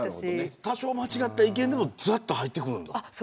多少間違った意見でもすっと入ってくるんだ。